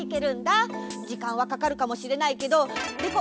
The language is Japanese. じかんはかかるかもしれないけどでこ。